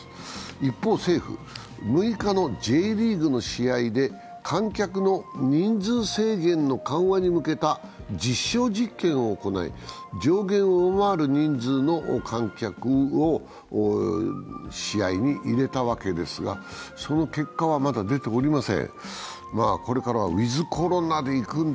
一方、政府、６日のＪリーグの試合で観客の人数制限の緩和に向けた実証実験を行い、上限を上回る人数の観客を試合に入れたわけですが、その結果はまだ出ておりません。